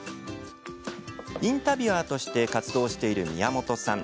インタビュアーとして活動している宮本さん。